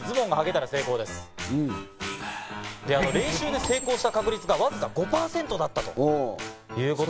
練習で成功した確率がわずか５％だったということですが。